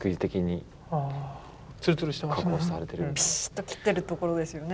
ピシッと切ってるところですよね。